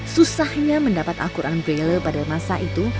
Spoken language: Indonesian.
susahnya mendapat al quran braille pada masa itu